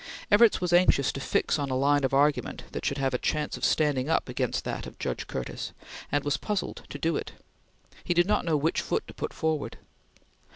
Evarts was anxious to fix on a line of argument that should have a chance of standing up against that of Judge Curtis, and was puzzled to do it. He did not know which foot to put forward.